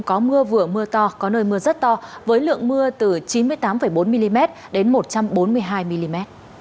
có mưa vừa mưa to có nơi mưa rất to với lượng mưa từ chín mươi tám bốn mm đến một trăm bốn mươi hai mm